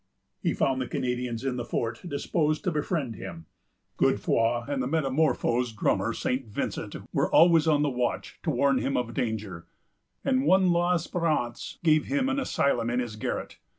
He found the Canadians in the fort disposed to befriend him. Godefroy and the metamorphosed drummer, St. Vincent, were always on the watch to warn him of danger; and one l'Esperance gave him an asylum in his garret.